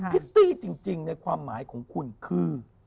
พิตตี้จริงในความหมายของคุณคือ